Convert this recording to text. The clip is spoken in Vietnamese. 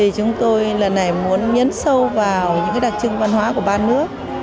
chúng tôi lần này muốn nhấn sâu vào những đặc trưng văn hóa của ba nước